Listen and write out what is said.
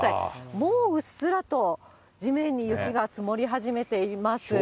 もう、うっすらと地面に雪が積もり始めています。